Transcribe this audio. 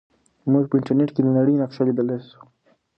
موږ په انټرنیټ کې د نړۍ نقشه لیدلی سو.